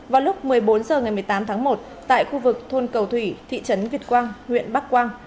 vào lúc một mươi bốn h ngày một mươi tám tháng một tại khu vực thôn cầu thủy thị trấn việt quang huyện bắc quang